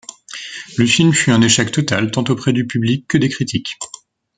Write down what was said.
Le film fut un échec total tant auprès du public que des critiques.